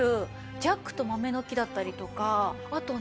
『ジャックと豆の木』だったりとかあとね